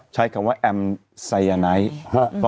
ใช้คำว่าแอมไซยาไนท์